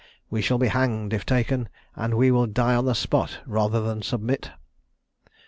we shall be hanged, if taken; and we will die on the spot, rather than submit!"